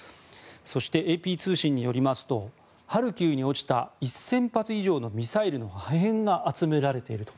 そして、ＡＰ通信によりますとハルキウに落ちた１０００発以上のミサイルの破片が集められていると。